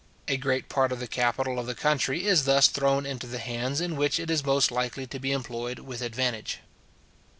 A great part of the capital of the country is thus thrown into the hands in which it is most likely to be employed with advantage.